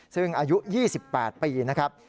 ซึ่งอายุ๒๘ปีนะครับ